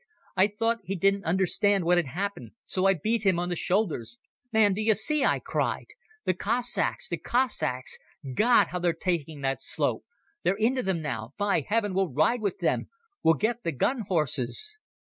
I thought he didn't understand what had happened, so I beat him on the shoulders. "Man, d'you see?" I cried. "The Cossacks! The Cossacks! God! How they're taking that slope! They're into them now. By heaven, we'll ride with them! We'll get the gun horses!"